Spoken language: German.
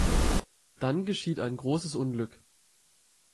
Dann geschieht ein großes Unglück.